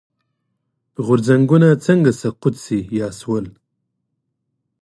غورځنګونه څنګه سقوط شي یا شول.